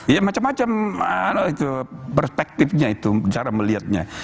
ya macam macam perspektifnya itu cara melihatnya